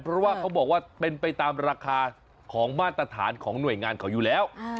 เพราะว่าเขาบอกว่าเป็นไปตามราคาของมาตรฐานของหน่วยงานเขาอยู่แล้ว